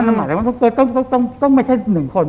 นั่นหมายถึงว่าต้องเติมไม่ใช่หนึ่งคน